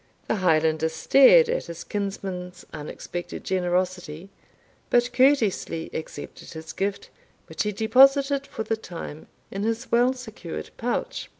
The Highlander stared at his kinsman's unexpected generosity, but courteously accepted his gift, which he deposited for the time in his well secured pouch.